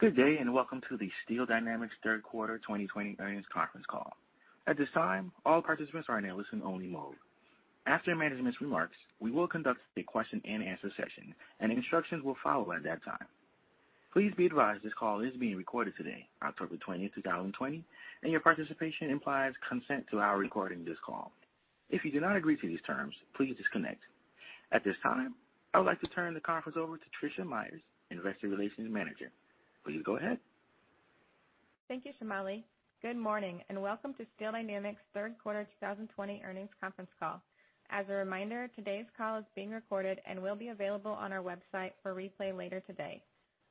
Good day and welcome to the Steel Dynamics third quarter 2020 earnings conference call. At this time, all participants are in a listen-only mode. After management's remarks, we will conduct a question-and-answer session, and instructions will follow at that time. Please be advised this call is being recorded today, October 20th, 2020, and your participation implies consent to our recording of this call. If you do not agree to these terms, please disconnect. At this time, I would like to turn the conference over to Tricia Meyers, Investor Relations Manager. Please go ahead. Thank you, Shomali. Good morning and welcome to Steel Dynamics third quarter 2020 earnings conference call. As a reminder, today's call is being recorded and will be available on our website for replay later today.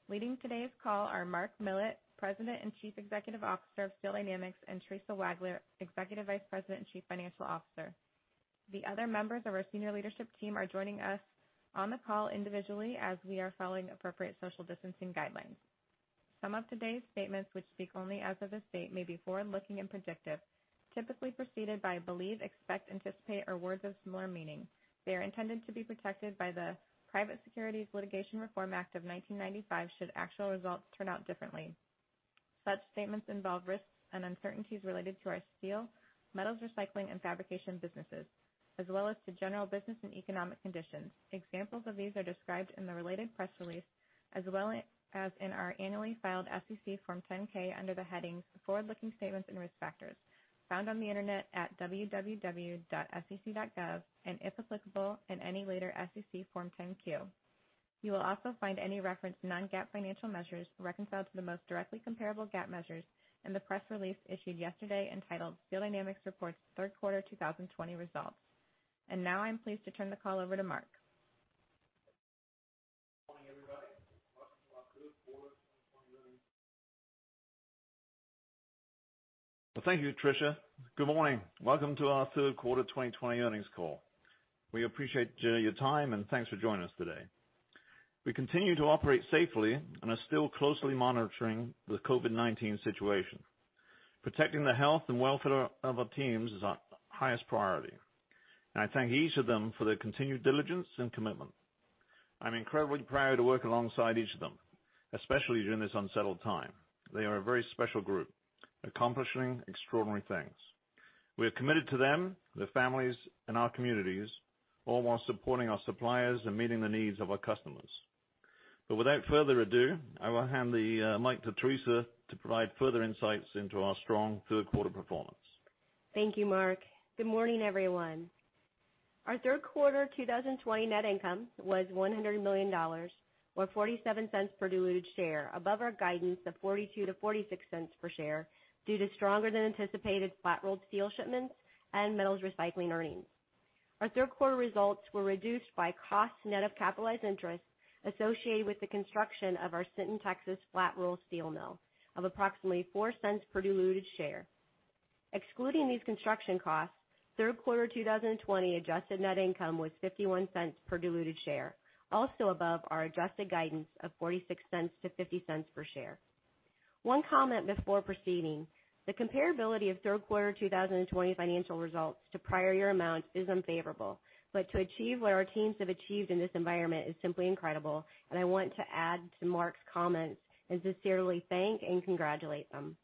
Leading today's call are Mark Millett, President and Chief Executive Officer of Steel Dynamics, and Theresa Wagler, Executive Vice President and Chief Financial Officer. The other members of our senior leadership team are joining us on the call individually as we are following appropriate social distancing guidelines. Some of today's statements, which speak only as of this date, may be forward-looking and predictive, typically preceded by believe, expect, anticipate, or words of similar meaning. They are intended to be protected by the Private Securities Litigation Reform Act of 1995 should actual results turn out differently. Such statements involve risks and uncertainties related to our steel, metals recycling, and fabrication businesses, as well as to general business and economic conditions. Examples of these are described in the related press release as well as in our annually filed SEC Form 10-K under the headings Forward-looking Statements and Risk Factors, found on the internet at www.sec.gov, and if applicable, in any later SEC Form 10-Q. You will also find any reference to non-GAAP financial measures reconciled to the most directly comparable GAAP measures in the press release issued yesterday entitled Steel Dynamics Reports Third Quarter 2020 Results. And now I'm pleased to turn the call over to Mark. Thank you, Tricia. Good morning. Welcome to our third quarter 2020 earnings call. We appreciate your time and thanks for joining us today. We continue to operate safely and are still closely monitoring the COVID-19 situation. Protecting the health and welfare of our teams is our highest priority, and I thank each of them for their continued diligence and commitment. I'm incredibly proud to work alongside each of them, especially during this unsettled time. They are a very special group accomplishing extraordinary things. We are committed to them, their families, and our communities, all while supporting our suppliers and meeting the needs of our customers. Without further ado, I will hand the mic to Theresa to provide further insights into our strong third quarter performance. Thank you, Mark. Good morning, everyone. Our third quarter 2020 net income was $100 million or $0.47 per diluted share, above our guidance of $0.42-$0.46 per share due to stronger-than-anticipated flat-rolled steel shipments and metals recycling earnings. Our third quarter results were reduced by cost net of capitalized interest associated with the construction of our Sinton, Texas, flat-rolled steel mill of approximately $0.04 per diluted share. Excluding these construction costs, third quarter 2020 adjusted net income was $0.51 per diluted share, also above our adjusted guidance of $0.46-$0.50 per share. One comment before proceeding: the comparability of third quarter 2020 financial results to prior year amounts is unfavorable, but to achieve what our teams have achieved in this environment is simply incredible, and I want to add to Mark's comments and sincerely thank and congratulate them.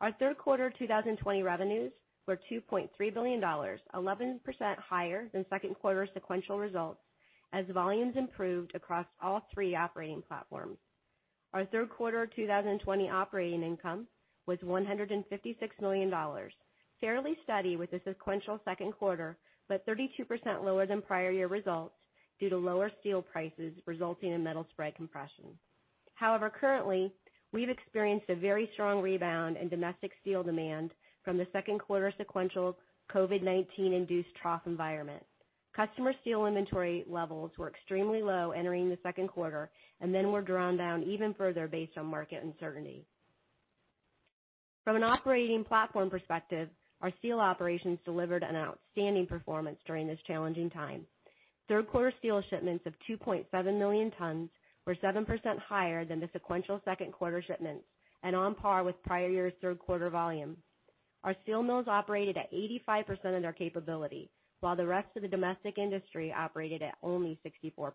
Our third quarter 2020 revenues were $2.3 billion, 11% higher than second quarter sequential results as volumes improved across all three operating platforms. Our third quarter 2020 operating income was $156 million, fairly steady with the sequential second quarter, but 32% lower than prior year results due to lower steel prices resulting in metal spread compression. However, currently, we've experienced a very strong rebound in domestic steel demand from the second quarter sequential COVID-19-induced trough environment. Customer steel inventory levels were extremely low entering the second quarter and then were drawn down even further based on market uncertainty. From an operating platform perspective, our steel operations delivered an outstanding performance during this challenging time. Third quarter steel shipments of 2.7 million tons were 7% higher than the sequential second quarter shipments and on par with prior year's third quarter volume. Our steel mills operated at 85% of their capability, while the rest of the domestic industry operated at only 64%.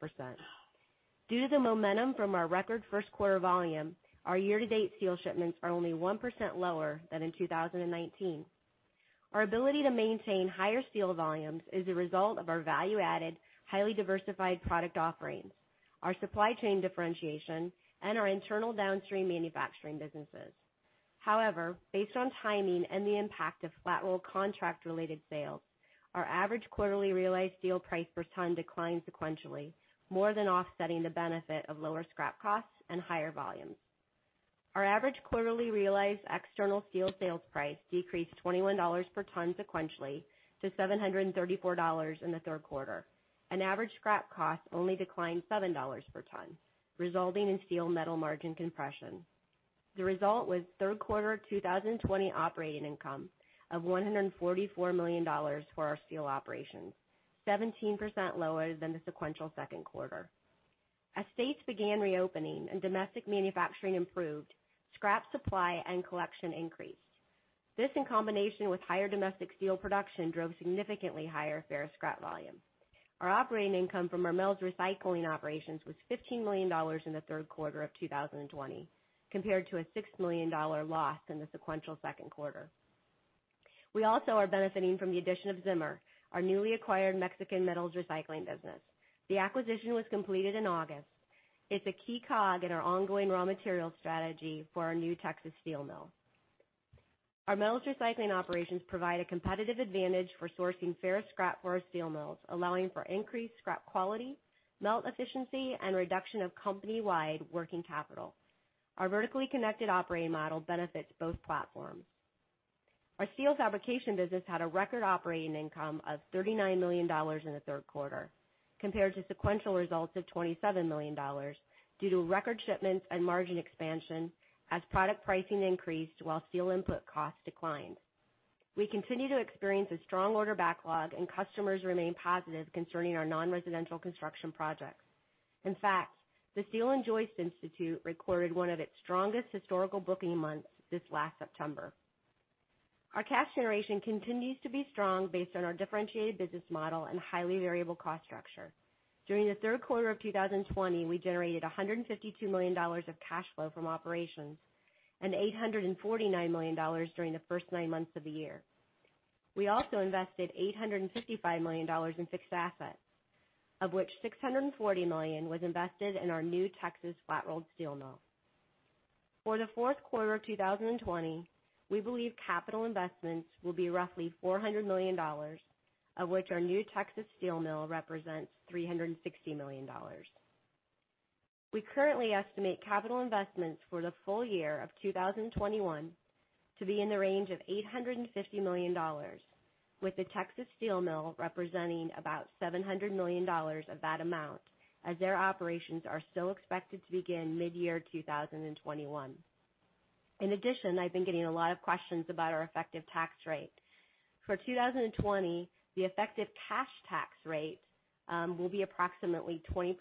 Due to the momentum from our record first quarter volume, our year-to-date steel shipments are only 1% lower than in 2019. Our ability to maintain higher steel volumes is a result of our value-added, highly diversified product offerings, our supply chain differentiation, and our internal downstream manufacturing businesses. However, based on timing and the impact of flat-rolled contract-related sales, our average quarterly realized steel price per ton declined sequentially, more than offsetting the benefit of lower scrap costs and higher volumes. Our average quarterly realized external steel sales price decreased $21 per ton sequentially to $734 in the third quarter, and average scrap costs only declined $7 per ton, resulting in steel metal margin compression. The result was third quarter 2020 operating income of $144 million for our steel operations, 17% lower than the sequential second quarter. As states began reopening and domestic manufacturing improved, scrap supply and collection increased. This, in combination with higher domestic steel production, drove significantly higher ferrous scrap volume. Our operating income from our metals recycling operations was $15 million in the third quarter of 2020, compared to a $6 million loss in the sequential second quarter. We also are benefiting from the addition of Zimmer, our newly acquired Mexican metals recycling business. The acquisition was completed in August. It's a key cog in our ongoing raw materials strategy for our new Texas steel mill. Our metals recycling operations provide a competitive advantage for sourcing ferrous scrap for our steel mills, allowing for increased scrap quality, melt efficiency, and reduction of company-wide working capital. Our vertically connected operating model benefits both platforms. Our steel fabrication business had a record operating income of $39 million in the third quarter, compared to sequential results of $27 million due to record shipments and margin expansion as product pricing increased while steel input costs declined. We continue to experience a strong order backlog, and customers remain positive concerning our non-residential construction projects. In fact, the Steel and Joist Institute recorded one of its strongest historical booking months this last September. Our cash generation continues to be strong based on our differentiated business model and highly variable cost structure. During the third quarter of 2020, we generated $152 million of cash flow from operations and $849 million during the first nine months of the year. We also invested $855 million in fixed assets, of which $640 million was invested in our new Texas flat-rolled steel mill. For the fourth quarter of 2020, we believe capital investments will be roughly $400 million, of which our new Texas steel mill represents $360 million. We currently estimate capital investments for the full year of 2021 to be in the range of $850 million, with the Texas steel mill representing about $700 million of that amount as their operations are still expected to begin mid-year 2021. In addition, I've been getting a lot of questions about our effective tax rate. For 2020, the effective cash tax rate will be approximately 20%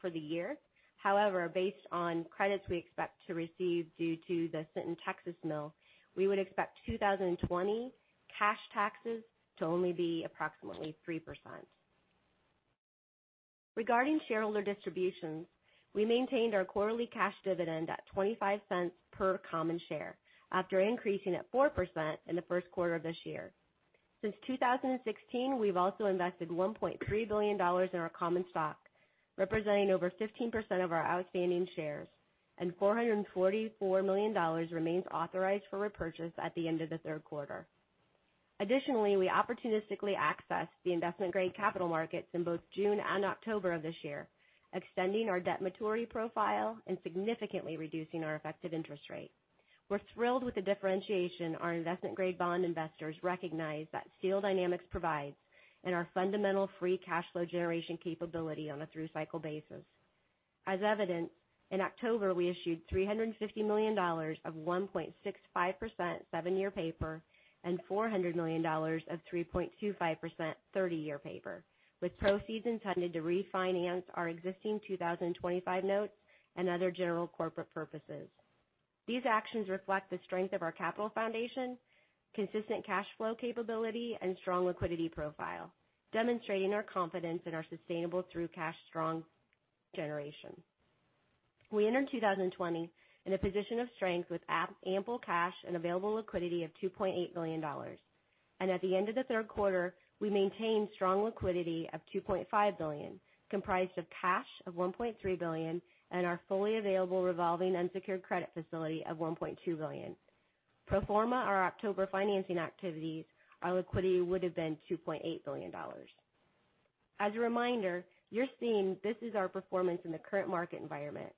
for the year. However, based on credits we expect to receive due to the Sinton, Texas mill, we would expect 2020 cash taxes to only be approximately 3%. Regarding shareholder distributions, we maintained our quarterly cash dividend at $0.25 per common share after increasing at 4% in the first quarter of this year. Since 2016, we've also invested $1.3 billion in our common stock, representing over 15% of our outstanding shares, and $444 million remains authorized for repurchase at the end of the third quarter. Additionally, we opportunistically accessed the investment-grade capital markets in both June and October of this year, extending our debt maturity profile and significantly reducing our effective interest rate. We're thrilled with the differentiation our investment-grade bond investors recognize that Steel Dynamics provides in our fundamental free cash flow generation capability on a through-cycle basis. As evidence, in October, we issued $350 million of 1.65% seven-year paper and $400 million of 3.25% 30-year paper, with proceeds intended to refinance our existing 2025 notes and other general corporate purposes. These actions reflect the strength of our capital foundation, consistent cash flow capability, and strong liquidity profile, demonstrating our confidence in our sustainable through-cycle cash flow generation. We entered 2020 in a position of strength with ample cash and available liquidity of $2.8 billion, and at the end of the third quarter, we maintained strong liquidity of $2.5 billion, comprised of cash of $1.3 billion and our fully available revolving unsecured credit facility of $1.2 billion. Pro forma our October financing activities, our liquidity would have been $2.8 billion. As a reminder, you're seeing this is our performance in the current market environment,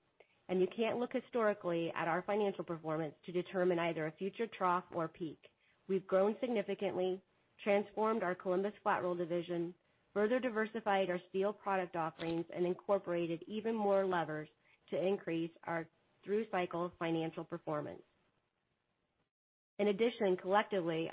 and you can't look historically at our financial performance to determine either a future trough or peak. We've grown significantly, transformed our Columbus flat-rolled division, further diversified our steel product offerings, and incorporated even more levers to increase our through-cycle financial performance. In addition, collectively,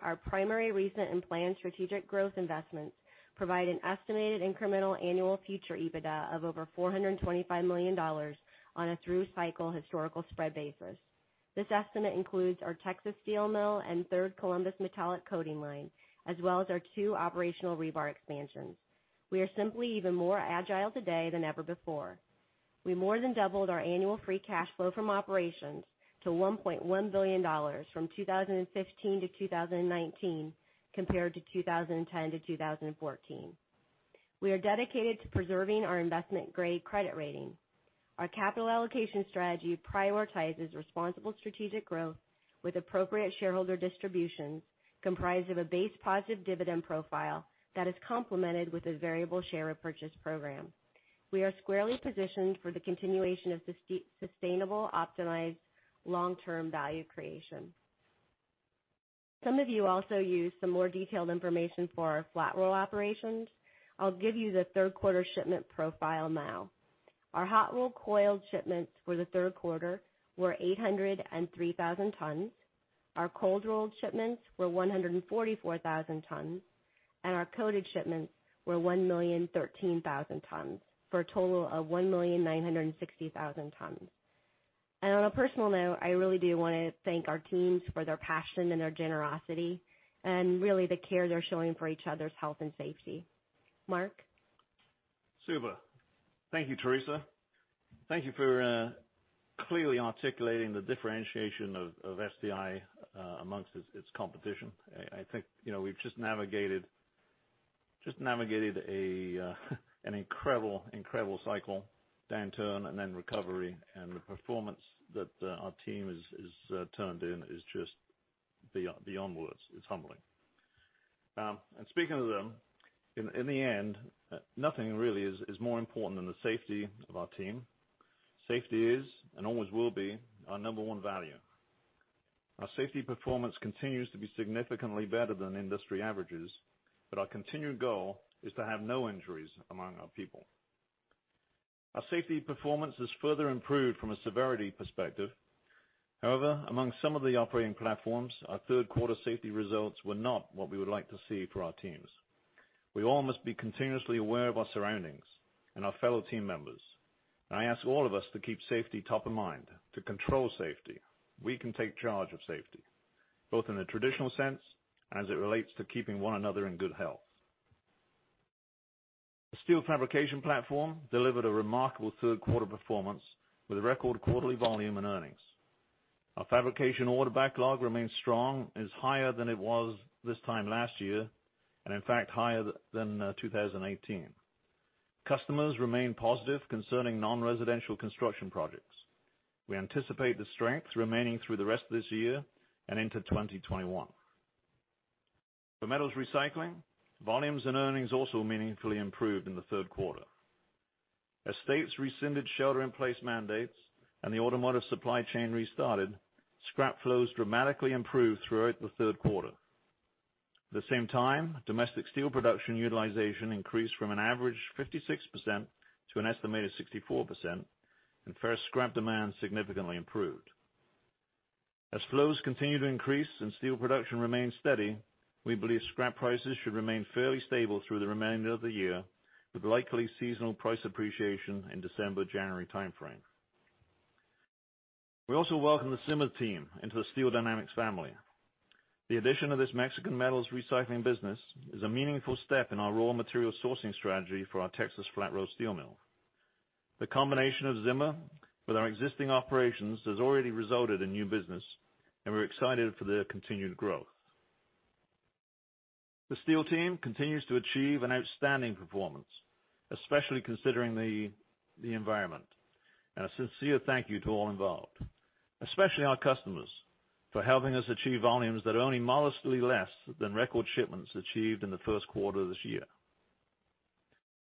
our primary recent and planned strategic growth investments provide an estimated incremental annual future EBITDA of over $425 million on a through-cycle historical spread basis. This estimate includes our Texas steel mill and third Columbus metallic coating line, as well as our two operational rebar expansions. We are simply even more agile today than ever before. We more than doubled our annual free cash flow from operations to $1.1 billion from 2015 to 2019, compared to 2010 to 2014. We are dedicated to preserving our investment-grade credit rating. Our capital allocation strategy prioritizes responsible strategic growth with appropriate shareholder distributions comprised of a base positive dividend profile that is complemented with a variable share repurchase program. We are squarely positioned for the continuation of sustainable optimized long-term value creation. Some of you also use some more detailed information for our flat-roll operations. I'll give you the third quarter shipment profile now. Our hot-rolled coil shipments for the third quarter were 803,000 tons. Our cold-rolled shipments were 144,000 tons, and our coated shipments were 1,013,000 tons for a total of 1,960,000 tons. And on a personal note, I really do want to thank our teams for their passion and their generosity and really the care they're showing for each other's health and safety. Mark? Super. Thank you, Theresa. Thank you for clearly articulating the differentiation of SDI amongst its competition. I think we've just navigated an incredible cycle, downturn, and then recovery, and the performance that our team has turned in is just beyond words. It's humbling, and speaking of them, in the end, nothing really is more important than the safety of our team. Safety is, and always will be, our number one value. Our safety performance continues to be significantly better than industry averages, but our continued goal is to have no injuries among our people. Our safety performance is further improved from a severity perspective. However, among some of the operating platforms, our third quarter safety results were not what we would like to see for our teams. We all must be continuously aware of our surroundings and our fellow team members. And I ask all of us to keep safety top of mind, to control safety. We can take charge of safety, both in the traditional sense and as it relates to keeping one another in good health. The steel fabrication platform delivered a remarkable third quarter performance with record quarterly volume and earnings. Our fabrication order backlog remains strong, is higher than it was this time last year, and in fact, higher than 2018. Customers remain positive concerning non-residential construction projects. We anticipate the strength remaining through the rest of this year and into 2021. For metals recycling, volumes and earnings also meaningfully improved in the third quarter. As states rescinded shelter-in-place mandates and the automotive supply chain restarted, scrap flows dramatically improved throughout the third quarter. At the same time, domestic steel production utilization increased from an average 56% to an estimated 64%, and ferrous scrap demand significantly improved. As flows continue to increase and steel production remains steady, we believe scrap prices should remain fairly stable through the remainder of the year, with likely seasonal price appreciation in December-January timeframe. We also welcome the Zimmer team into the Steel Dynamics family. The addition of this Mexican metals recycling business is a meaningful step in our raw material sourcing strategy for our Texas flat-rolled steel mill. The combination of Zimmer with our existing operations has already resulted in new business, and we're excited for their continued growth. The steel team continues to achieve an outstanding performance, especially considering the environment, and a sincere thank you to all involved, especially our customers, for helping us achieve volumes that are only modestly less than record shipments achieved in the first quarter of this year.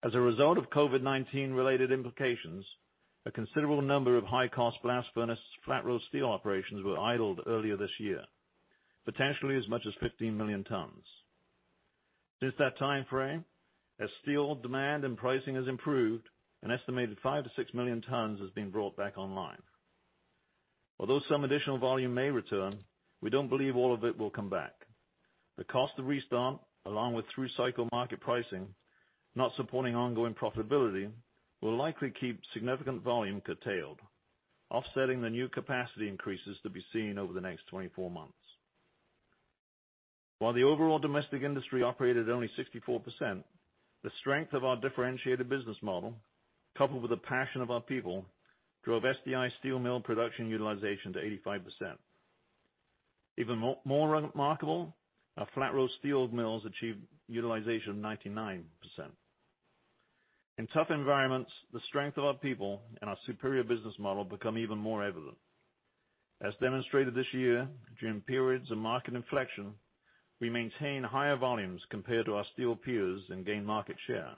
As a result of COVID-19-related implications, a considerable number of high-cost blast furnace flat-rolled steel operations were idled earlier this year, potentially as much as 15 million tons. Since that timeframe, as steel demand and pricing has improved, an estimated 5 million-6 million tons has been brought back online. Although some additional volume may return, we don't believe all of it will come back. The cost of restart, along with through-cycle market pricing not supporting ongoing profitability, will likely keep significant volume curtailed, offsetting the new capacity increases to be seen over the next 24 months. While the overall domestic industry operated at only 64%, the strength of our differentiated business model, coupled with the passion of our people, drove SDI steel mill production utilization to 85%. Even more remarkable, our flat-rolled steel mills achieved utilization of 99%. In tough environments, the strength of our people and our superior business model become even more evident. As demonstrated this year, during periods of market inflection, we maintain higher volumes compared to our steel peers and gain market share.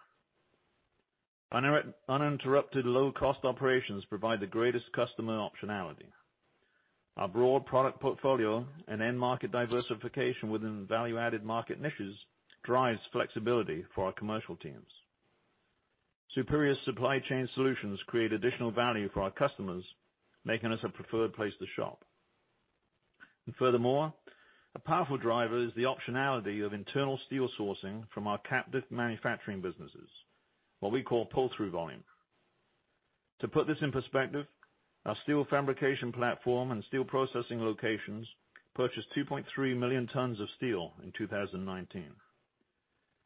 Uninterrupted low-cost operations provide the greatest customer optionality. Our broad product portfolio and end-market diversification within value-added market niches drives flexibility for our commercial teams. Superior supply chain solutions create additional value for our customers, making us a preferred place to shop. And furthermore, a powerful driver is the optionality of internal steel sourcing from our captive manufacturing businesses, what we call pull-through volume. To put this in perspective, our steel fabrication platform and steel processing locations purchased 2.3 million tons of steel in 2019.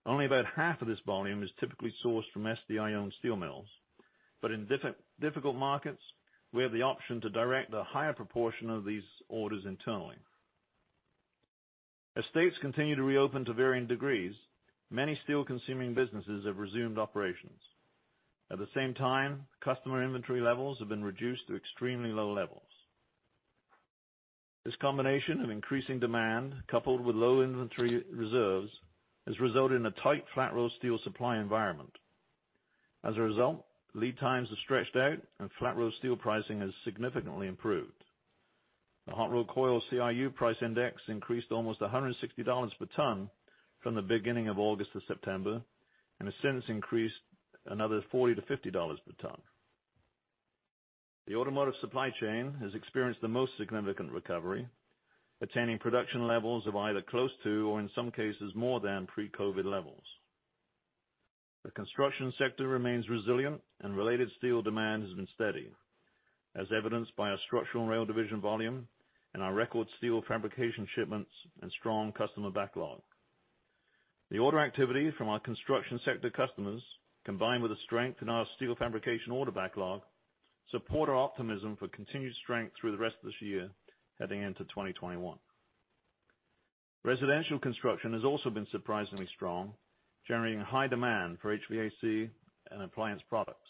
Only about half of this volume is typically sourced from SDI-owned steel mills, but in difficult markets, we have the option to direct a higher proportion of these orders internally. As states continue to reopen to varying degrees, many steel-consuming businesses have resumed operations. At the same time, customer inventory levels have been reduced to extremely low levels. This combination of increasing demand, coupled with low inventory reserves, has resulted in a tight flat-rolled steel supply environment. As a result, lead times have stretched out, and flat-rolled steel pricing has significantly improved. The hot-rolled coil CRU price index increased almost $160 per ton from the beginning of August to September and has since increased another $40-$50 per ton. The automotive supply chain has experienced the most significant recovery, attaining production levels of either close to or, in some cases, more than pre-COVID levels. The construction sector remains resilient, and related steel demand has been steady, as evidenced by our Structural and Rail Division volume and our record steel fabrication shipments and strong customer backlog. The order activity from our construction sector customers, combined with the strength in our steel fabrication order backlog, support our optimism for continued strength through the rest of this year heading into 2021. Residential construction has also been surprisingly strong, generating high demand for HVAC and appliance products.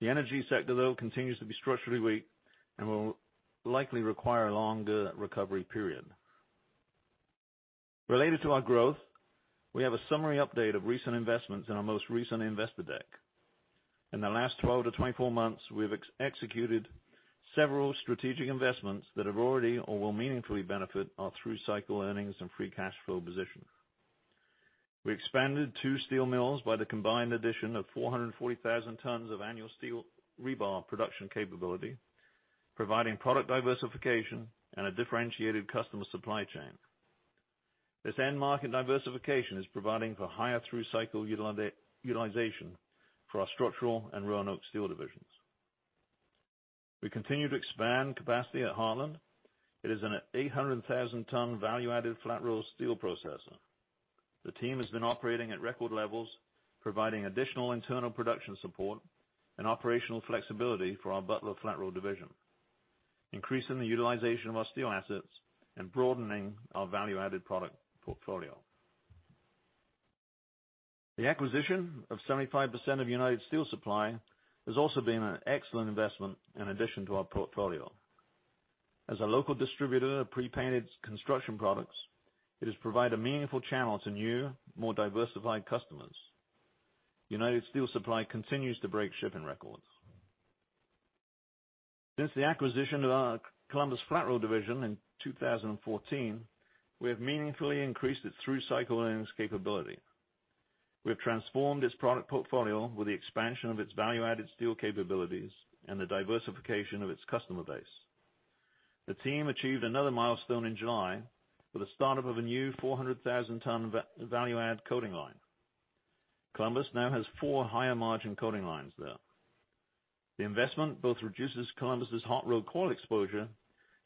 The energy sector, though, continues to be structurally weak and will likely require a longer recovery period. Related to our growth, we have a summary update of recent investments in our most recent investor deck. In the last 12-24 months, we have executed several strategic investments that have already or will meaningfully benefit our through-cycle earnings and free cash flow position. We expanded two steel mills by the combined addition of 440,000 tons of annual steel rebar production capability, providing product diversification and a differentiated customer supply chain. This end-market diversification is providing for higher through-cycle utilization for our structural and rail-and-bar steel divisions. We continue to expand capacity at Heartland. It is an 800,000-ton value-added flat-rolled steel processor. The team has been operating at record levels, providing additional internal production support and operational flexibility for our Butler flat-rolled division, increasing the utilization of our steel assets and broadening our value-added product portfolio. The acquisition of 75% of United Steel Supply has also been an excellent investment in addition to our portfolio. As a local distributor of pre-painted construction products, it has provided a meaningful channel to new, more diversified customers. United Steel Supply continues to break shipping records. Since the acquisition of our Columbus flat-rolled division in 2014, we have meaningfully increased its through-cycle earnings capability. We have transformed its product portfolio with the expansion of its value-added steel capabilities and the diversification of its customer base. The team achieved another milestone in July with the startup of a new 400,000-ton value-add coating line. Columbus now has four higher-margin coating lines there. The investment both reduces Columbus's hot-rolled coil exposure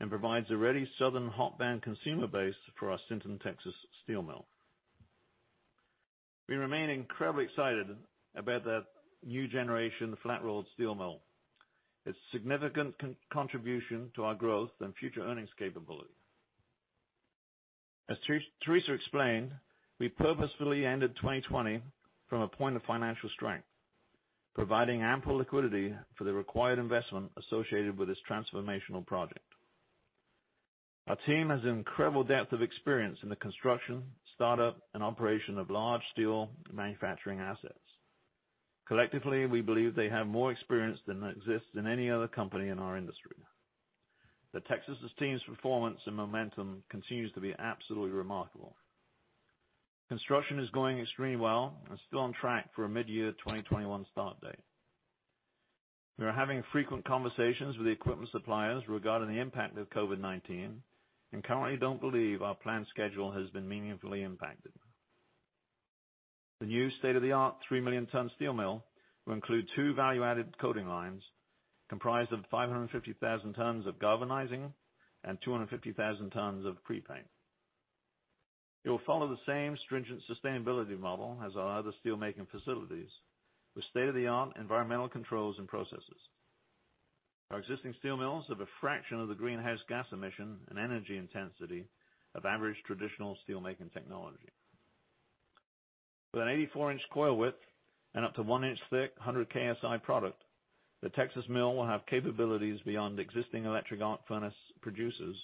and provides a ready southern hot-band consumer base for our Sinton, Texas steel mill. We remain incredibly excited about that new generation flat-rolled steel mill, its significant contribution to our growth and future earnings capability. As Theresa explained, we purposefully ended 2020 from a point of financial strength, providing ample liquidity for the required investment associated with this transformational project. Our team has an incredible depth of experience in the construction, startup, and operation of large steel manufacturing assets. Collectively, we believe they have more experience than exists in any other company in our industry. The Texas team's performance and momentum continues to be absolutely remarkable. Construction is going extremely well and still on track for a mid-year 2021 start date. We are having frequent conversations with the equipment suppliers regarding the impact of COVID-19 and currently don't believe our planned schedule has been meaningfully impacted. The new state-of-the-art 3 million-ton steel mill will include two value-added coating lines comprised of 550,000 tons of galvanizing and 250,000 tons of pre-paint. It will follow the same stringent sustainability model as our other steelmaking facilities with state-of-the-art environmental controls and processes. Our existing steel mills have a fraction of the greenhouse gas emission and energy intensity of average traditional steelmaking technology. With an 84 in coil width and up to 1 in thick 100 KSI product, the Texas mill will have capabilities beyond existing electric arc furnace producers,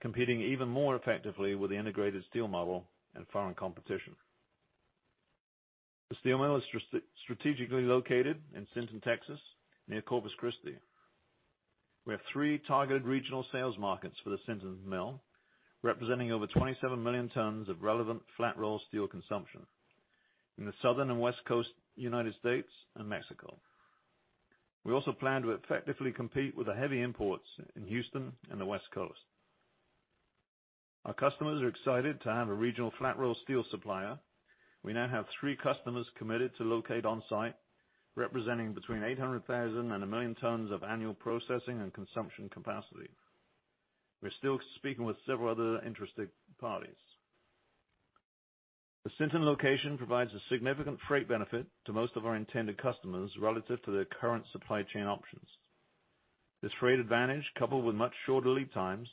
competing even more effectively with the integrated steel model and foreign competition. The steel mill is strategically located in Sinton, Texas, near Corpus Christi. We have three targeted regional sales markets for the Sinton mill, representing over 27 million tons of relevant flat-rolled steel consumption in the Southern and West Coast of the United States and Mexico. We also plan to effectively compete with the heavy imports in Houston and the West Coast. Our customers are excited to have a regional flat-rolled steel supplier. We now have three customers committed to locate on-site, representing between 800,000 and a million tons of annual processing and consumption capacity. We're still speaking with several other interested parties. The Sinton location provides a significant freight benefit to most of our intended customers relative to their current supply chain options. This freight advantage, coupled with much shorter lead times,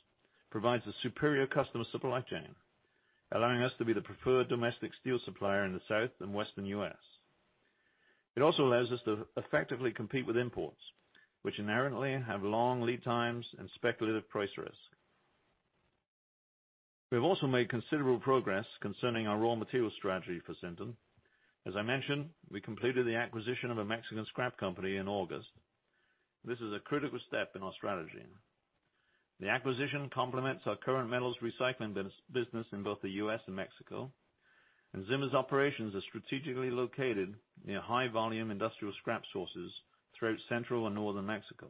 provides a superior customer supply chain, allowing us to be the preferred domestic steel supplier in the South and Western U.S. It also allows us to effectively compete with imports, which inherently have long lead times and speculative price risk. We have also made considerable progress concerning our raw material strategy for Sinton. As I mentioned, we completed the acquisition of a Mexican scrap company in August. This is a critical step in our strategy. The acquisition complements our current metals recycling business in both the U.S. and Mexico, and Zimmer's operations are strategically located near high-volume industrial scrap sources throughout central and northern Mexico.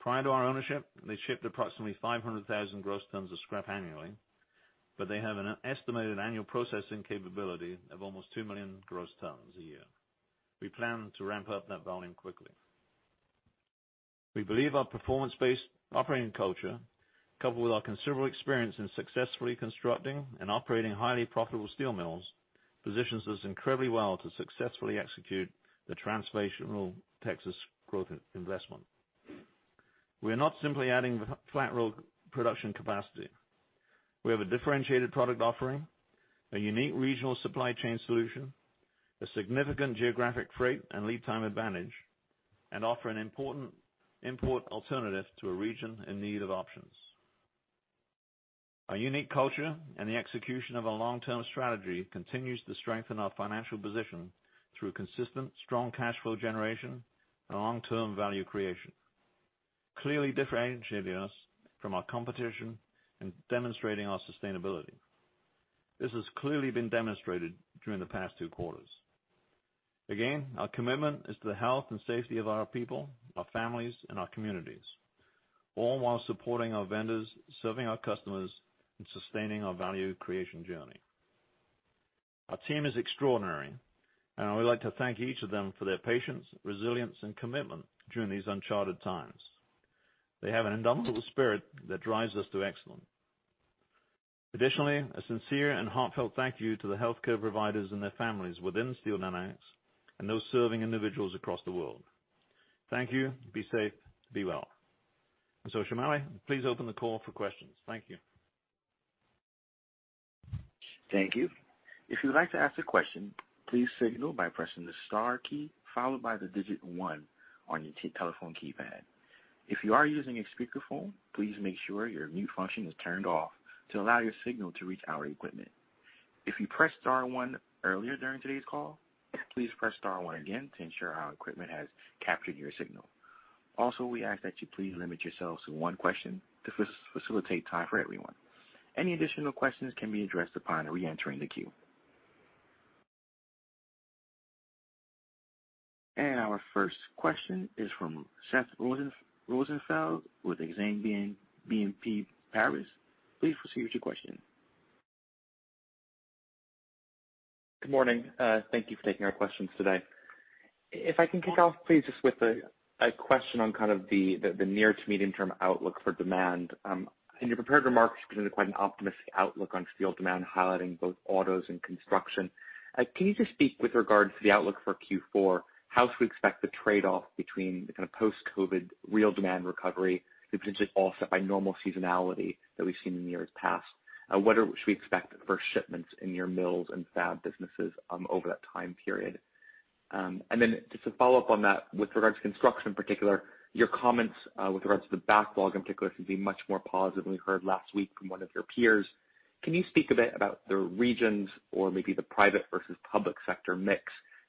Prior to our ownership, they shipped approximately 500,000 gross tons of scrap annually, but they have an estimated annual processing capability of almost 2 million gross tons a year. We plan to ramp up that volume quickly. We believe our performance-based operating culture, coupled with our considerable experience in successfully constructing and operating highly profitable steel mills, positions us incredibly well to successfully execute the transformational Texas growth investment. We are not simply adding flat-rolled production capacity. We have a differentiated product offering, a unique regional supply chain solution, a significant geographic freight and lead time advantage, and offer an important import alternative to a region in need of options. Our unique culture and the execution of a long-term strategy continue to strengthen our financial position through consistent, strong cash flow generation and long-term value creation, clearly differentiating us from our competition and demonstrating our sustainability. This has clearly been demonstrated during the past two quarters. Again, our commitment is to the health and safety of our people, our families, and our communities, all while supporting our vendors, serving our customers, and sustaining our value creation journey. Our team is extraordinary, and I would like to thank each of them for their patience, resilience, and commitment during these uncharted times. They have an indomitable spirit that drives us to excellence. Additionally, a sincere and heartfelt thank you to the healthcare providers and their families within Steel Dynamics and those serving individuals across the world. Thank you. Be safe. Be well. And so, Shomali, please open the call for questions. Thank you. Thank you. If you'd like to ask a question, please signal by pressing the star key followed by the digit one on your telephone keypad. If you are using a speakerphone, please make sure your mute function is turned off to allow your signal to reach our equipment. If you pressed star one earlier during today's call, please press star one again to ensure our equipment has captured your signal. Also, we ask that you please limit yourselves to one question to facilitate time for everyone. Any additional questions can be addressed upon re-entering the queue. And our first question is from Seth Rosenfeld with Exane BNP Paribas. Please proceed with your question. Good morning. Thank you for taking our questions today. If I can kick off, please, just with a question on kind of the near to medium-term outlook for demand. In your prepared remarks, you presented quite an optimistic outlook on steel demand, highlighting both autos and construction. Can you just speak with regard to the outlook for Q4? How should we expect the trade-off between the kind of post-COVID real demand recovery and potentially offset by normal seasonality that we've seen in the years past? What should we expect for shipments in your mills and fab businesses over that time period? And then just to follow up on that, with regards to construction in particular, your comments with regards to the backlog in particular seem to be much more positive than we heard last week from one of your peers. Can you speak a bit about the regions or maybe the private versus public sector mix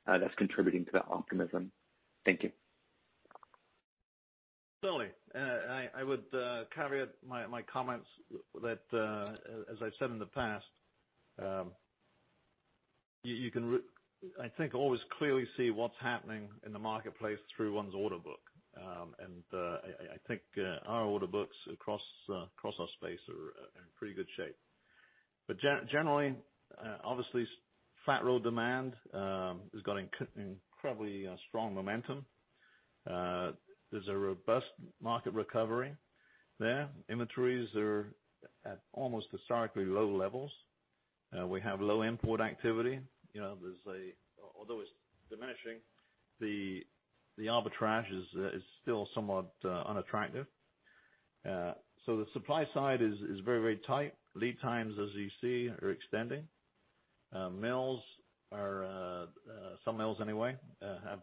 that's contributing to that optimism? Thank you. Absolutely. I would caveat my comments that, as I've said in the past, you can, I think, always clearly see what's happening in the marketplace through one's order book. And I think our order books across our space are in pretty good shape. But generally, obviously, flat-rolled demand has got incredibly strong momentum. There's a robust market recovery there. Inventories are at almost historically low levels. We have low import activity. Although it's diminishing, the arbitrage is still somewhat unattractive. So the supply side is very, very tight. Lead times, as you see, are extending. Some mills, anyway, have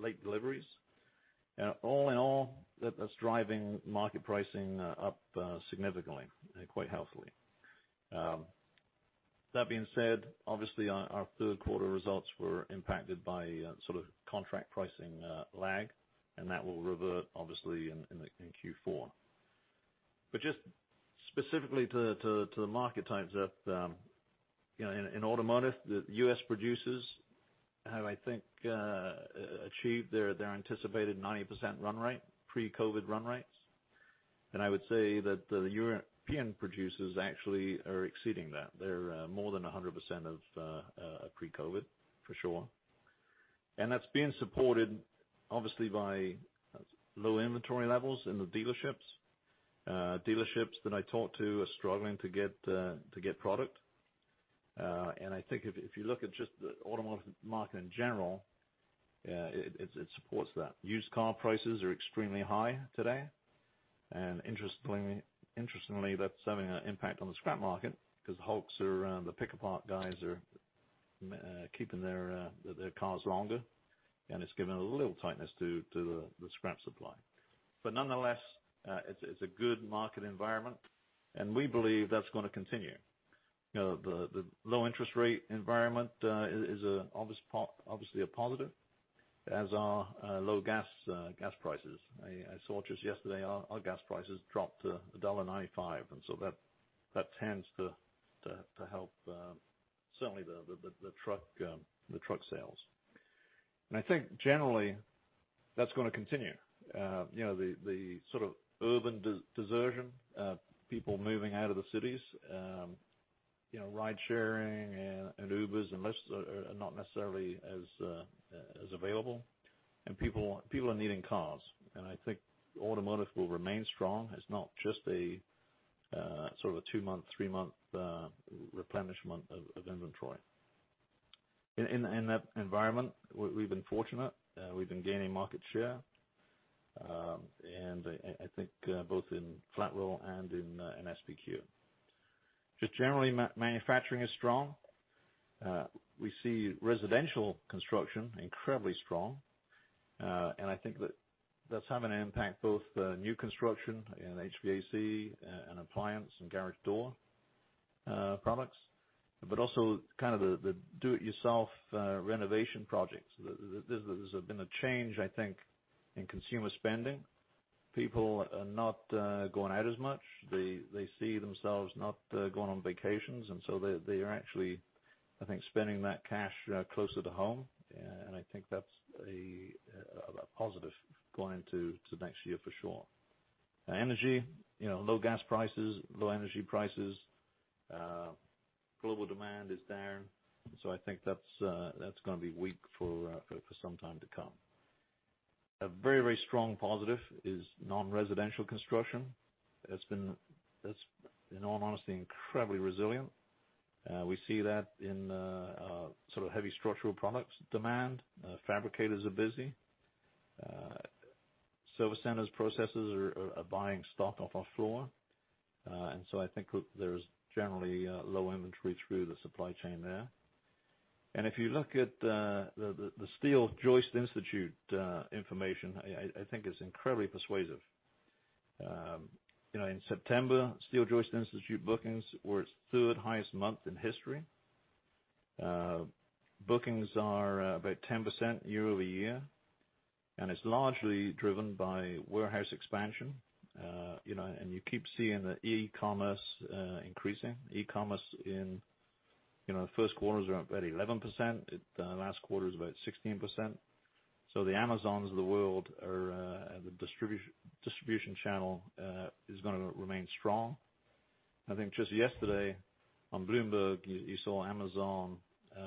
late deliveries. And all in all, that's driving market pricing up significantly and quite healthily. That being said, obviously, our third-quarter results were impacted by sort of contract pricing lag, and that will revert, obviously, in Q4. But just specifically to the market types in automotive, the U.S. producers have, I think, achieved their anticipated 90% run rate, pre-COVID run rates. And I would say that the European producers actually are exceeding that. They're more than 100% of pre-COVID, for sure. And that's being supported, obviously, by low inventory levels in the dealerships. Dealerships that I talk to are struggling to get product. And I think if you look at just the automotive market in general, it supports that. Used car prices are extremely high today. And interestingly, that's having an impact on the scrap market because the haulers, the pick-your-part guys are keeping their cars longer, and it's given a little tightness to the scrap supply. But nonetheless, it's a good market environment, and we believe that's going to continue. The low interest rate environment is obviously a positive, as are low gas prices. I saw just yesterday our gas prices dropped to $1.95, and so that tends to help, certainly, the truck sales. And I think, generally, that's going to continue. The sort of urban desertion, people moving out of the cities, ride-sharing and Ubers and Lyfts are not necessarily as available, and people are needing cars. I think automotive will remain strong. It's not just a sort of a two-month, three-month replenishment of inventory. In that environment, we've been fortunate. We've been gaining market share, and I think both in flat-roll and in SBQ. Just generally, manufacturing is strong. We see residential construction incredibly strong, and I think that that's having an impact both new construction and HVAC and appliance and garage door products, but also kind of the do-it-yourself renovation projects. There's been a change, I think, in consumer spending. People are not going out as much. They see themselves not going on vacations, and so they are actually, I think, spending that cash closer to home, and I think that's a positive going into next year, for sure. Energy, low gas prices, low energy prices, global demand is down, so I think that's going to be weak for some time to come. A very, very strong positive is non-residential construction. That's, in all honesty, incredibly resilient. We see that in sort of heavy structural products demand. Fabricators are busy. Service centers processors are buying stock off our floor, and so I think there's generally low inventory through the supply chain there. And if you look at the Steel Joist Institute information, I think it's incredibly persuasive. In September, Steel Joist Institute bookings were its third highest month in history. Bookings are about 10% year over year, and it's largely driven by warehouse expansion. And you keep seeing the e-commerce increasing. E-commerce in the first quarter was about 11%. The last quarter was about 16%. So the Amazons of the world, the distribution channel, is going to remain strong. I think just yesterday on Bloomberg, you saw Amazon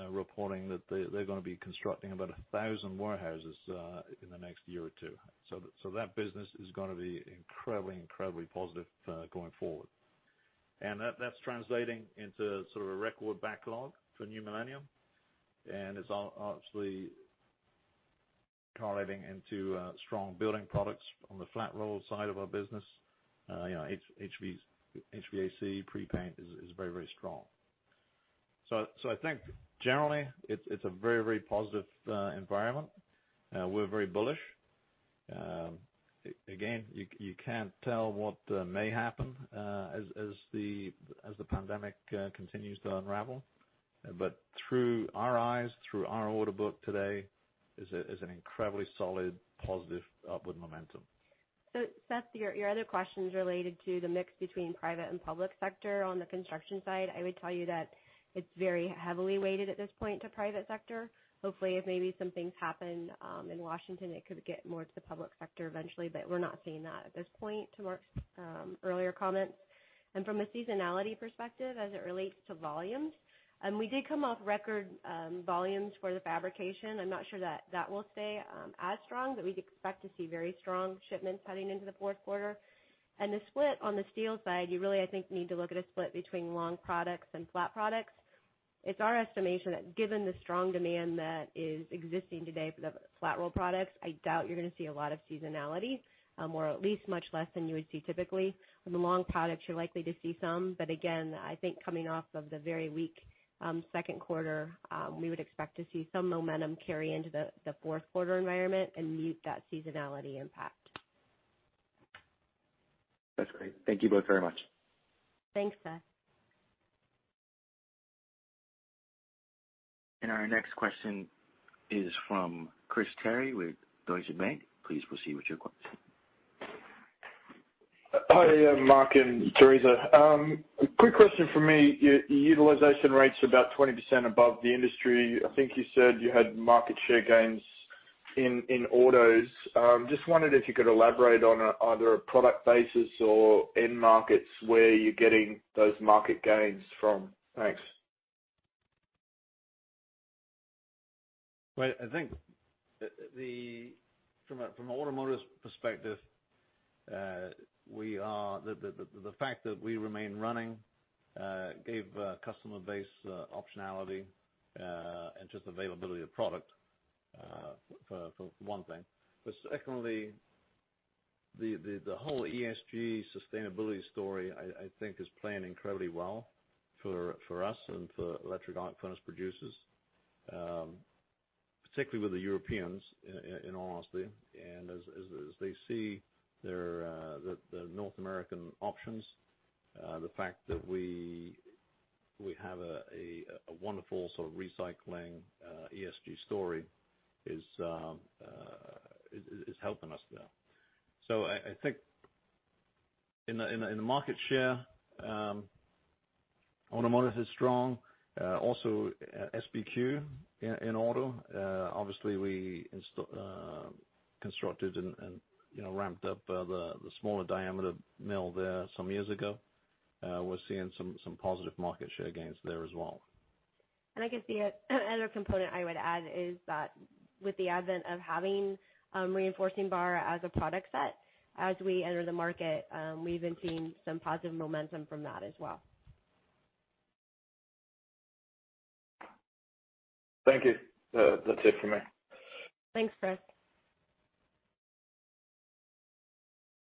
reporting that they're going to be constructing about 1,000 warehouses in the next year or two. That business is going to be incredibly, incredibly positive going forward. That's translating into sort of a record backlog for New Millennium, and it's obviously correlating into strong building products on the flat-rolled side of our business. HVAC prepaint is very, very strong. I think, generally, it's a very, very positive environment. We're very bullish. Again, you can't tell what may happen as the pandemic continues to unravel, but through our eyes, through our order book today, it's an incredibly solid, positive, upward momentum. Seth, your other question is related to the mix between private and public sector on the construction side. I would tell you that it's very heavily weighted at this point to private sector. Hopefully, if maybe some things happen in Washington, it could get more to the public sector eventually, but we're not seeing that at this point to Mark's earlier comments, and from a seasonality perspective, as it relates to volumes, we did come off record volumes for the fabrication. I'm not sure that that will stay as strong, but we expect to see very strong shipments heading into the fourth quarter, and the split on the steel side, you really, I think, need to look at a split between long products and flat products. It's our estimation that given the strong demand that is existing today for the flat-rolled products, I doubt you're going to see a lot of seasonality, or at least much less than you would see typically. On the long products, you're likely to see some, but again, I think coming off of the very weak second quarter, we would expect to see some momentum carry into the fourth quarter environment and mitigate that seasonality impact. That's great. Thank you both very much. Thanks, Seth. Our next question is from Chris Terry with Deutsche Bank. Please proceed with your question. Hi, Mark and Theresa. Quick question for me. Utilization rate's about 20% above the industry. I think you said you had market share gains in autos. Just wondered if you could elaborate on either a product basis or end markets where you're getting those market gains from. Thanks. Well, I think from an automotive perspective, the fact that we remain running gave customer base optionality and just availability of product for one thing. But secondly, the whole ESG sustainability story, I think, is playing incredibly well for us and for electric arc furnace producers, particularly with the Europeans, in all honesty. And as they see the North American options, the fact that we have a wonderful sort of recycling ESG story is helping us there. So I think in the market share, automotive is strong. Also, SBQ in auto. Obviously, we constructed and ramped up the smaller diameter mill there some years ago. We're seeing some positive market share gains there as well. And I guess the other component I would add is that with the advent of having reinforcing bar as a product set, as we enter the market, we've been seeing some positive momentum from that as well. Thank you. That's it for me. Thanks, Chris.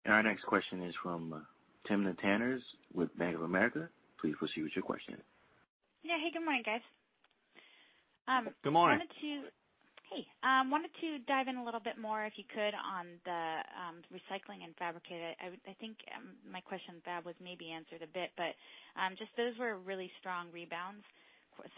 And our next question is from Timna Tanners with Bank of America. Please proceed with your question. Yeah. Hey, good morning, guys. Good morning. Hey. Wanted to dive in a little bit more, if you could, on the recycling and fabricator. I think my question, Fab, was maybe answered a bit, but just those were really strong rebounds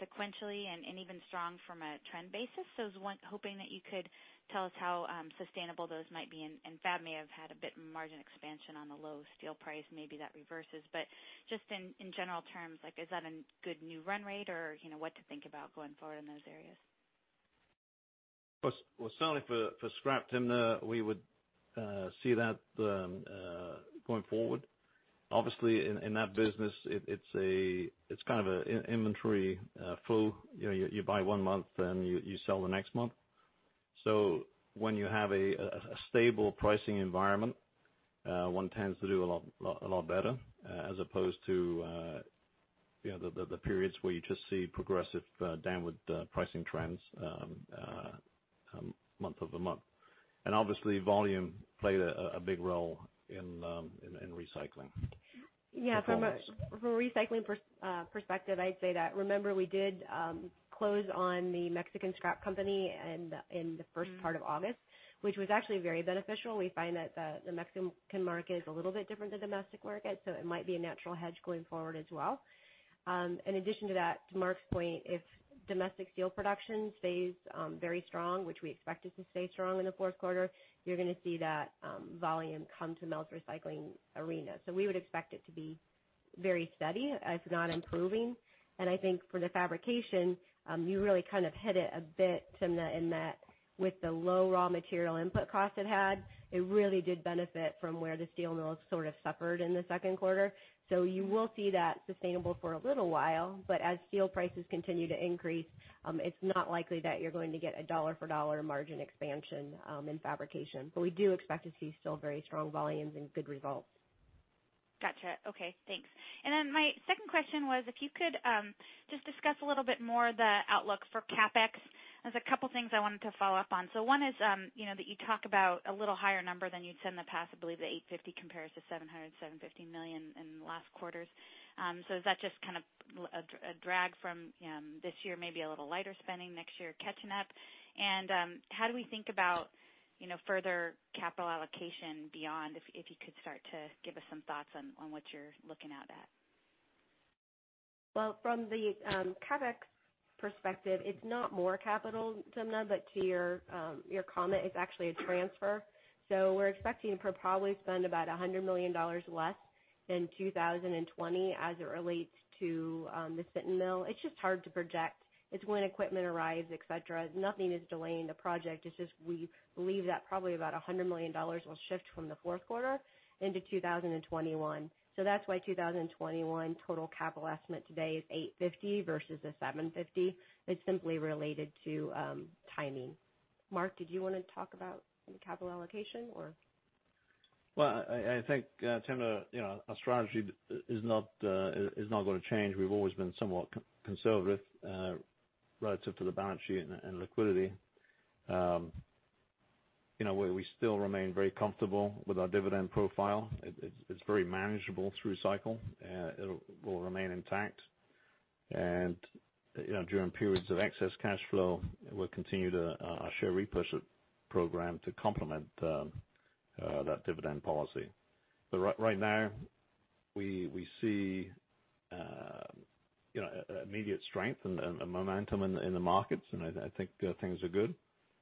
sequentially and even strong from a trend basis. So I was hoping that you could tell us how sustainable those might be. And Fab may have had a bit of margin expansion on the low steel price. Maybe that reverses. But just in general terms, is that a good new run rate, or what to think about going forward in those areas? Well, certainly for scrap, Tim, we would see that going forward. Obviously, in that business, it's kind of an inventory flow. You buy one month, then you sell the next month. So when you have a stable pricing environment, one tends to do a lot better as opposed to the periods where you just see progressive downward pricing trends month over month, and obviously, volume played a big role in recycling. Yeah. From a recycling perspective, I'd say that, remember, we did close on the Mexican scrap company in the first part of August, which was actually very beneficial. We find that the Mexican market is a little bit different than domestic market, so it might be a natural hedge going forward as well. In addition to that, to Mark's point, if domestic steel production stays very strong, which we expect it to stay strong in the fourth quarter, you're going to see that volume come to our recycling arena, so we would expect it to be very steady, if not improving. And I think for the fabrication, you really kind of hit it a bit, Tim, in that with the low raw material input cost it had, it really did benefit from where the steel mills sort of suffered in the second quarter. So you will see that sustainable for a little while, but as steel prices continue to increase, it's not likely that you're going to get a dollar-for-dollar margin expansion in fabrication. But we do expect to see still very strong volumes and good results. Gotcha. Okay. Thanks. And then my second question was if you could just discuss a little bit more the outlook for CapEx. There's a couple of things I wanted to follow up on. So one is that you talk about a little higher number than you'd said in the past. I believe the $850 million compares to $700 million-$750 million in the last quarters. So is that just kind of a drag from this year, maybe a little lighter spending next year catching up? And how do we think about further capital allocation beyond if you could start to give us some thoughts on what you're looking out at? Well, from the CapEx perspective, it's not more capital, Tim, but to your comment, it's actually a transfer. So we're expecting to probably spend about $100 million less in 2020 as it relates to the Sinton mill. It's just hard to project. It's when equipment arrives, etc. Nothing is delaying the project. It's just we believe that probably about $100 million will shift from the fourth quarter into 2021. So that's why 2021 total capital estimate today is $850 million versus the $750 million. It's simply related to timing. Mark, did you want to talk about the capital allocation, or? Well, I think, Tim, our strategy is not going to change. We've always been somewhat conservative relative to the balance sheet and liquidity. We still remain very comfortable with our dividend profile. It's very manageable through cycle. It will remain intact. And during periods of excess cash flow, we'll continue our share repurchase program to complement that dividend policy. But right now, we see immediate strength and momentum in the markets, and I think things are good.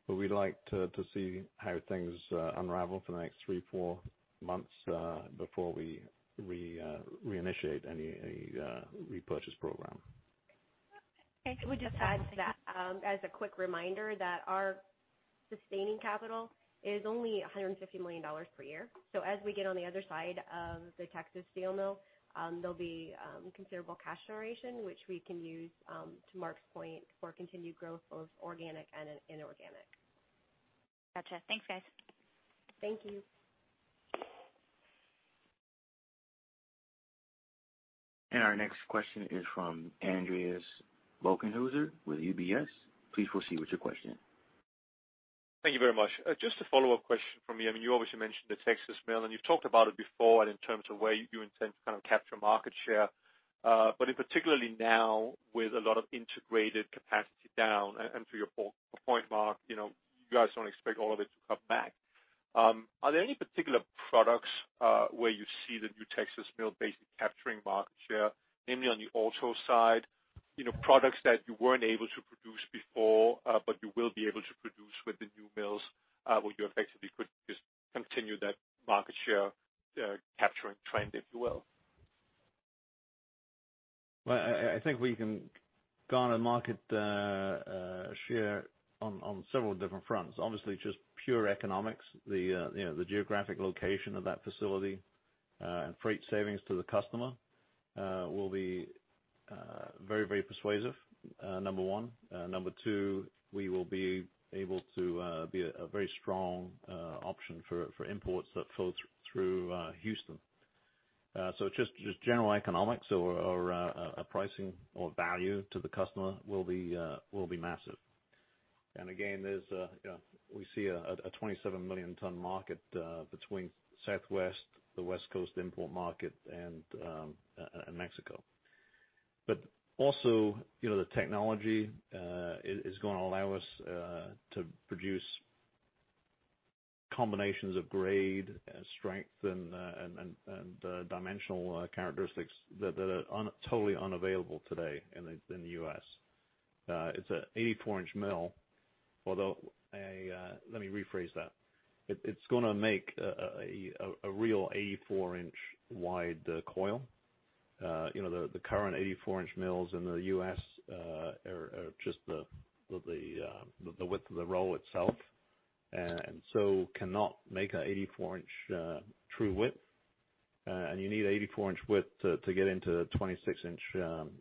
But we'd like to see how things unravel for the next three, four months before we reinitiate any repurchase program. And we just add to that as a quick reminder that our sustaining capital is only $150 million per year. So as we get on the other side of the Texas steel mill, there'll be considerable cash generation, which we can use, to Mark's point, for continued growth of organic and inorganic. Gotcha. Thanks, guys. Thank you. And our next question is from Andreas Bokkenheuser with UBS. Please proceed with your question. Thank you very much. Just a follow-up question from you. I mean, you obviously mentioned the Texas mill, and you've talked about it before in terms of where you intend to kind of capture market share. But particularly now, with a lot of integrated capacity down, and to your point, Mark, you guys don't expect all of it to come back. Are there any particular products where you see the new Texas mill basically capturing market share, namely on the auto side, products that you weren't able to produce before but you will be able to produce with the new mills, where you effectively could just continue that market share capturing trend, if you will? Well, I think we can garner market share on several different fronts. Obviously, just pure economics, the geographic location of that facility, and freight savings to the customer will be very, very persuasive, number one. Number two, we will be able to be a very strong option for imports that flow through Houston. So just general economics or a pricing or value to the customer will be massive. And again, we see a 27 million-ton market between Southwest, the West Coast import market, and Mexico. But also, the technology is going to allow us to produce combinations of grade, strength, and dimensional characteristics that are totally unavailable today in the U.S. It's an 84 in mill, although let me rephrase that. It's going to make a real 84 in wide coil. The current 84 in mills in the U.S. are just the width of the roll itself and so cannot make an 84 in true width. You need 84 in width to get into a 26 in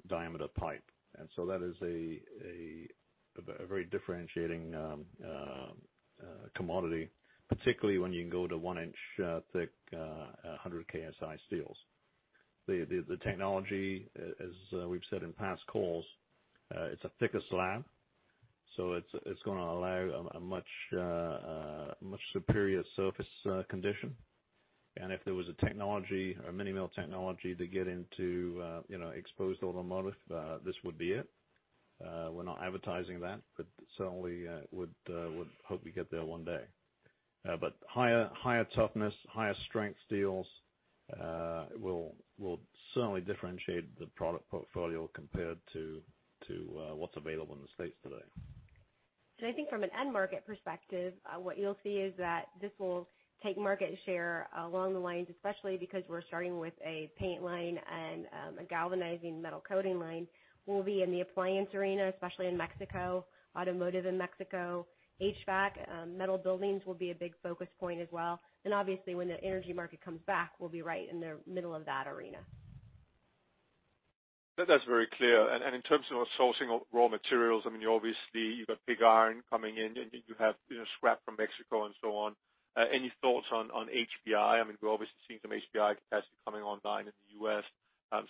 diameter pipe. And so that is a very differentiating commodity, particularly when you can go to 1 in thick 100 KSI steels. The technology, as we've said in past calls, it's a thicker slab. So it's going to allow a much superior surface condition. And if there was a technology or a mini mill technology to get into exposed automotive, this would be it. We're not advertising that, but certainly would hope we get there one day. But higher toughness, higher strength steels will certainly differentiate the product portfolio compared to what's available in the States today. And I think from an end market perspective, what you'll see is that this will take market share along the lines, especially because we're starting with a paint line and a galvanizing metal coating line. We'll be in the appliance arena, especially in Mexico, automotive in Mexico. HVAC metal buildings will be a big focus point as well. And obviously, when the energy market comes back, we'll be right in the middle of that arena. That's very clear. And in terms of sourcing raw materials, I mean, obviously, you've got pig iron coming in, and you have scrap from Mexico and so on. Any thoughts on HBI? I mean, we're obviously seeing some HBI capacity coming online in the U.S.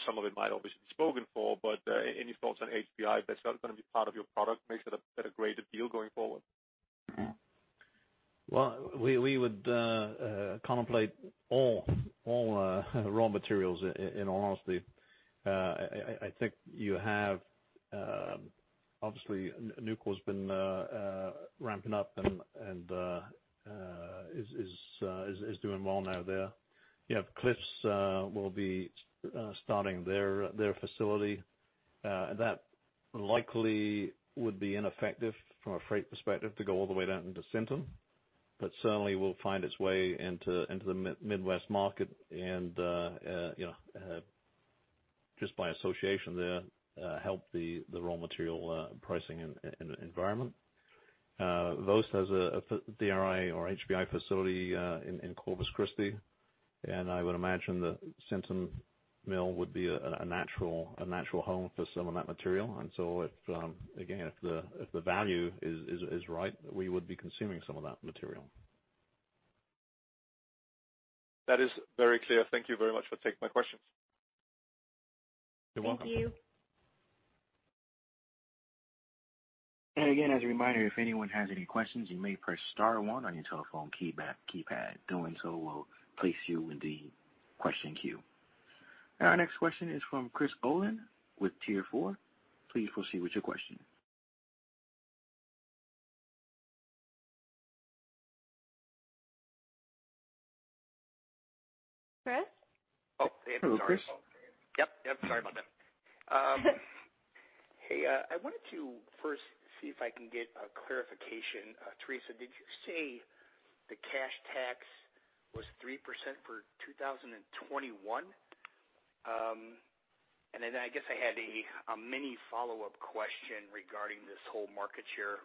Some of it might obviously be spoken for, but any thoughts on HBI that's going to be part of your product to make that a greater deal going forward? Well, we would contemplate all raw materials in all honesty. I think you have, obviously, Nucor has been ramping up and is doing well now there. You have Cliffs will be starting their facility. And that likely would be ineffective from a freight perspective to go all the way down into Sinton. But certainly, we'll find its way into the Midwest market and just by association there, help the raw material pricing environment. Voest has a DRI or HBI facility in Corpus Christi, and I would imagine the Sinton mill would be a natural home for some of that material. And so again, if the value is right, we would be consuming some of that material. That is very clear. Thank you very much for taking my questions. You're welcome. Thank you. And again, as a reminder, if anyone has any questions, you may press star one on your telephone keypad. Doing so will place you in the question queue. And our next question is from Chris Olin with Tier4. Please proceed with your question. Chris? Oh, hey, I'm sorry. Chris. Yep, yep. Sorry about that. Hey, I wanted to first see if I can get a clarification. Theresa, did you say the cash tax was 3% for 2021? And then I guess I had a mini follow-up question regarding this whole market share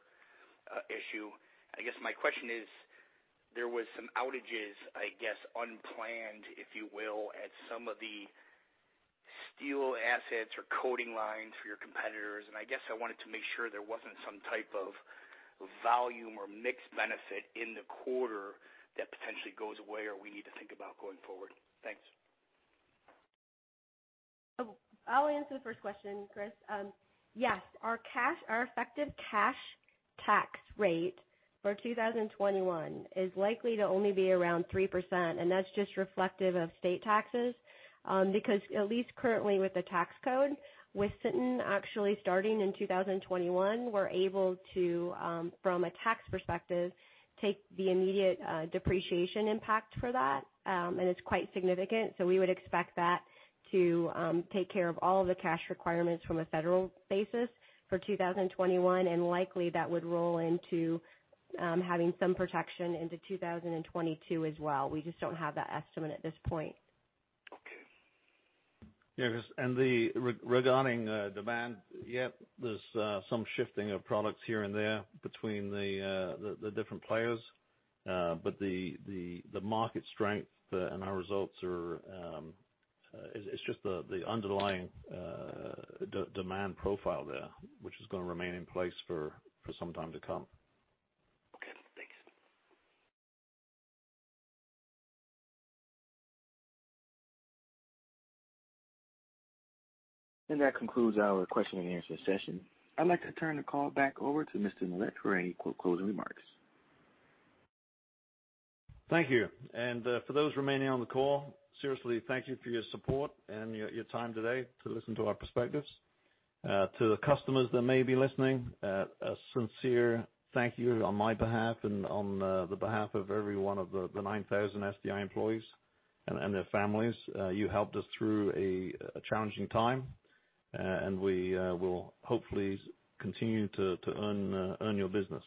issue. I guess my question is, there were some outages, I guess, unplanned, if you will, at some of the steel assets or coating lines for your competitors. And I guess I wanted to make sure there wasn't some type of volume or mixed benefit in the quarter that potentially goes away or we need to think about going forward. Thanks. I'll answer the first question, Chris. Yes. Our effective cash tax rate for 2021 is likely to only be around 3%, and that's just reflective of state taxes. Because at least currently with the tax code, with Sinton actually starting in 2021, we're able to, from a tax perspective, take the immediate depreciation impact for that, and it's quite significant. So we would expect that to take care of all of the cash requirements from a federal basis for 2021, and likely that would roll into having some protection into 2022 as well. We just don't have that estimate at this point. Okay. Yeah, because regarding demand, yeah, there's some shifting of products here and there between the different players. But the market strength and our results, it's just the underlying demand profile there, which is going to remain in place for some time to come. Okay. Thanks. And that concludes our question and answer session. I'd like to turn the call back over to Mr. Millett for any quick closing remarks. Thank you. And for those remaining on the call, seriously, thank you for your support and your time today to listen to our perspectives. To the customers that may be listening, a sincere thank you on my behalf and on the behalf of every one of the 9,000 SDI employees and their families. You helped us through a challenging time, and we will hopefully continue to earn your business.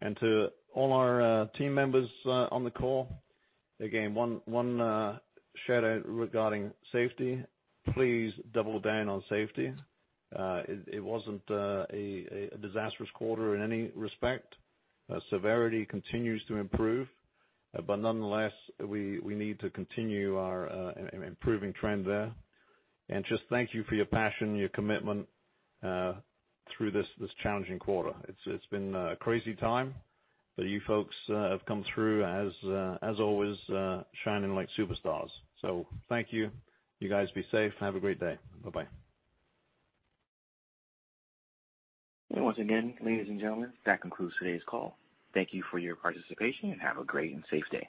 And to all our team members on the call, again, one shout-out regarding safety. Please double down on safety. It wasn't a disastrous quarter in any respect. Severity continues to improve. But nonetheless, we need to continue our improving trend there. And just thank you for your passion, your commitment through this challenging quarter. It's been a crazy time, but you folks have come through, as always, shining like superstars. So thank you. You guys be safe. Have a great day. Bye-bye. And once again, ladies and gentlemen, that concludes today's call. Thank you for your participation and have a great and safe day.